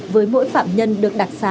với mỗi phạm nhân được đặc xá